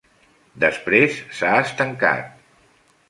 Després s'ha estancat.